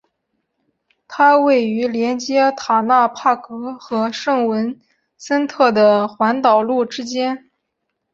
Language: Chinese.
它位于连接塔纳帕格和圣文森特的环岛路之间。